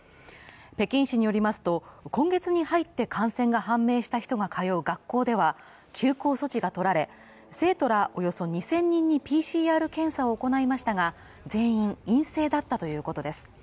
北京市によりますと、今月に入って感染した人が通う学校では休校措置が取られ、生徒らおよそ２０００人にＰＣＲ検査を行いましたが、全員陰性だったということです。